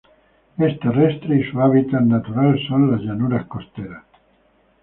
Es terrestre y su hábitat son las llanuras costeras.